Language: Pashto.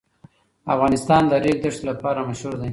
افغانستان د ریګ دښتې لپاره مشهور دی.